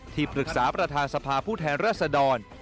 ที่ปรึกษาประธานสภาผู้แทนรัศดร